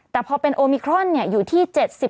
แต่พอเป็นโอมิครอนอยู่ที่๗๐